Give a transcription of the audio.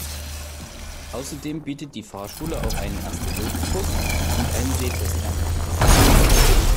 Außerdem bietet die Fahrschule auch einen Erste-Hilfe-Kurs und einen Sehtest an.